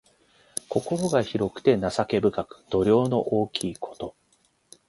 心が広くて情け深く、度量の大きいこと。